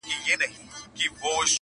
وږی پاته سو زخمي په زړه نتلی-